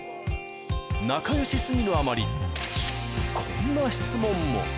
仲よしすぎるあまり、こんな質問も。